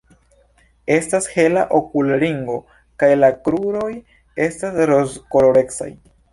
Estas hela okulringo kaj la kruroj estas rozkolorecaj.